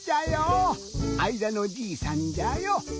あいだのじいさんじゃよ！